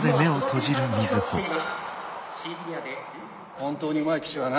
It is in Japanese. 本当にうまい騎手はな